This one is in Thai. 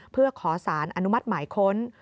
เพื่อขอสารอนุมัติหมายค้น